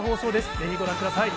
ぜひご覧ください。